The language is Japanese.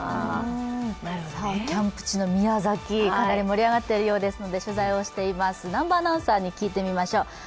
キャンプ地の宮崎、やはり盛り上がっているようですので、取材をしています南波アナウンサーに聞いてみましょう。